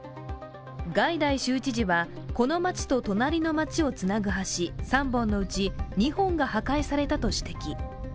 ガイダイ州知事はこの街と隣の街をつなぐ橋３本のうち、２本が破壊されたと指摘。